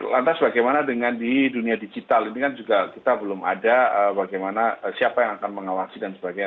lantas bagaimana dengan di dunia digital ini kan juga kita belum ada bagaimana siapa yang akan mengawasi dan sebagainya